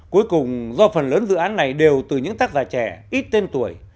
cuối cùng do phần lớn dự án này đều từ những tác giả trẻ ít tên tuổi